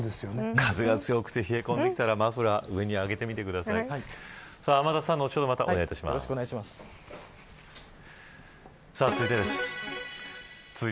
風が吹いて冷え込んできたらマフラーを上げてください。